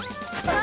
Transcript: あ！